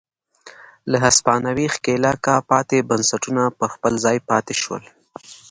له هسپانوي ښکېلاکه پاتې بنسټونه پر خپل ځای پاتې شول.